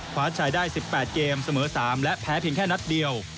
คว้าชัยได้๑๘เกมเสมอ๓และแพ้เพียงแค่นัดเดียว